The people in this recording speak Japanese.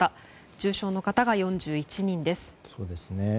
重症の方が４１人です。